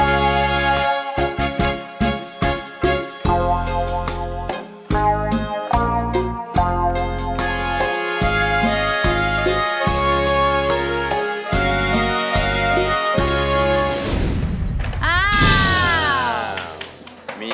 รัสอนะการดีกว่าไม่ค่อยมั่นใจ